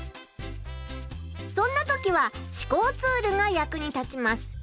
そんな時は思考ツールが役に立ちます。